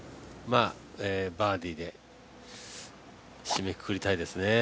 バーディーで締めくくりたいですね。